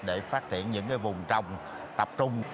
để phát triển những vùng trồng tập trung